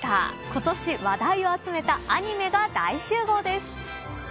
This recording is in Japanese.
ことし話題を集めたアニメが大集合です。